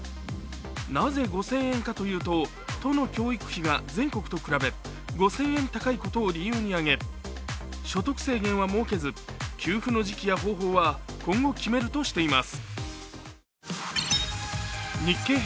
なぜ５０００円かというと都の教育費が全国と比べ５０００円高いことを理由に挙げ所得制限は設けず、給付の時期や方法は今後決めるとしています。